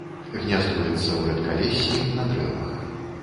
Гняздуецца ў рэдкалессі, на дрэвах.